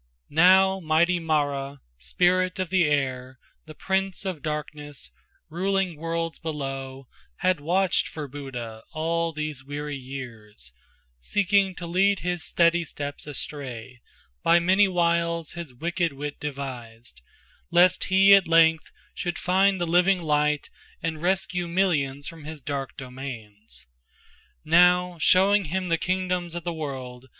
Now mighty Mara, spirit of the air, The prince of darkness, ruling worlds below, Had watched for Buddha all these weary years, Seeking to lead his steady steps astray By many wiles his wicked wit devised, Lest he at length should find the living light And rescue millions from his dark domains. Now, showing him the kingdoms of the world.